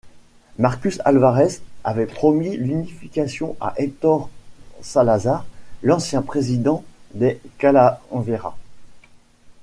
Marcus Alvarez avait promis l'unification à Hector Salazar, l'ancien Président des Calaveras.